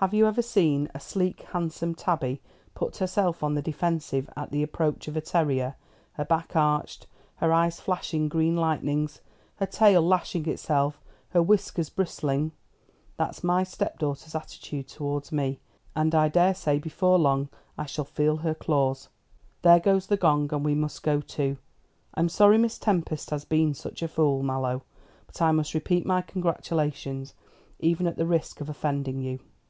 Have you ever seen a sleek handsome tabby put herself on the defensive at the approach of a terrier, her back arched, her eyes flashing green lightnings, her tail lashing itself, her whiskers bristling? That's my stepdaughter's attitude towards me, and I daresay before long I shall feel her claws. There goes the gong, and we must go too. I'm sorry Miss Tempest has been such a fool, Mallow; but I must repeat my congratulations, even at the risk of offending you."